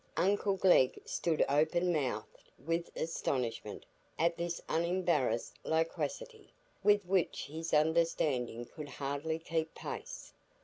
Uncle Glegg stood open mouthed with astonishment at this unembarrassed loquacity, with which his understanding could hardly keep pace.